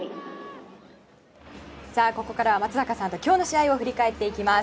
ここからは松坂さんと今日の試合を振り返っていきます。